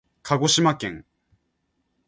かごしまけん